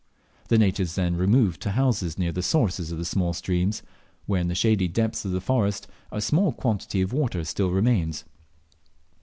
The natives then remove to houses near the sources of the small streams, where, in the shady depths of the forest, a small quantity of water still remains.